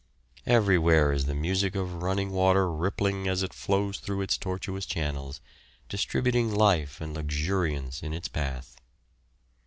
Everywhere is the music of running water rippling as it flows through its tortuous channels, distributing life and luxuriance in its path.